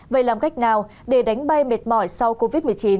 vậy làm cách nào để đánh bay mệt mỏi sau covid một mươi chín